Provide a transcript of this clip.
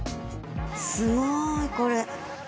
すごいこれ。